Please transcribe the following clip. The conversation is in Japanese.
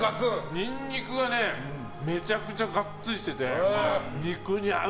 ニンニクがめちゃくちゃガッツリしてて肉に合う。